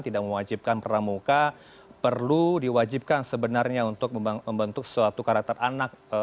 tidak mewajibkan pramuka perlu diwajibkan sebenarnya untuk membentuk suatu karakter anak